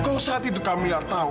kalau saat itu kamilah tahu